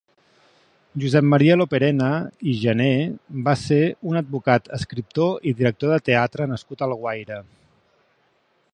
Josep Maria Loperena i Jené va ser un advocat, escriptor i director de teatre nascut a Alguaire.